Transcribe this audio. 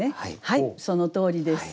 はいそのとおりです。